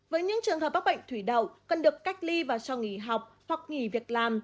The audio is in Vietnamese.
với những trường hợp bác bệnh thủy đậu cần được cách ly và cho nghỉ học hoặc nghỉ việc làm